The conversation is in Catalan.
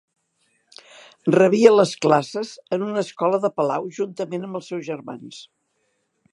Rebia les classes en una escola de palau juntament amb els seus germans.